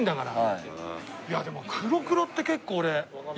いやでも黒黒って結構俺意外だな。